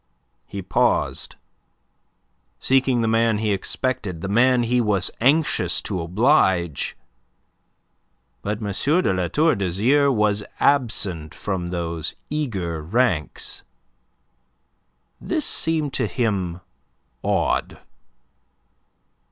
He paused, seeking the man he expected, the man he was most anxious to oblige. But M. de La Tour d'Azyr was absent from those eager ranks. This seemed to him odd.